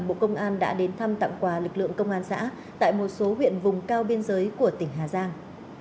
cục hậu cần bộ công an đã đến thăm tặng quà lực lượng công an xã tại một số huyện vùng cao biên giới của tỉnh hà giang